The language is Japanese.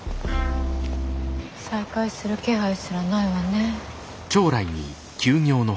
再開する気配すらないわねぇ。